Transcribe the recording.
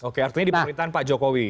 oke artinya di pemerintahan pak jokowi